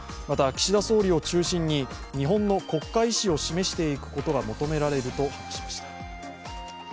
また、岸田総理を中心に日本の国家意思を示していくことが求められると話しました。